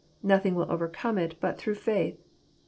Nothing will overcome it but thorough faith.